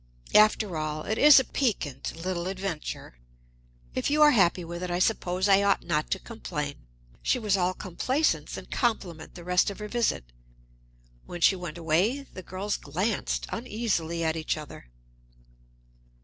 After all, it is a piquant little adventure. If you are happy in it, I suppose I ought not to complain." She was all complacence and compliment the rest of her visit. When she went away, the girls glanced uneasily at each other.